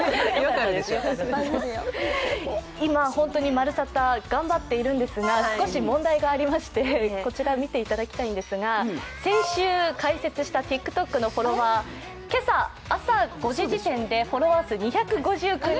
今、本当に「まるサタ」頑張っているんですが少し問題がありましてこちら見ていただきたいんですが、先週、解説したＴｉｋＴｏｋのフォロワー、今朝、５時時点でフォロワー数２５９人。